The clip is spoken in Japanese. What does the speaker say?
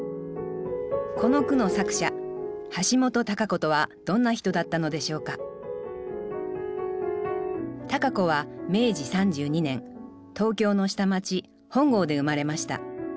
この句の作者橋本多佳子とはどんな人だったのでしょうか多佳子は明治３２年東京の下町本郷で生まれました。